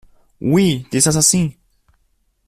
Oui, des assassins!